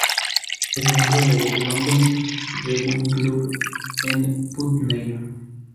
Es miembro del London Rowing Club en Putney.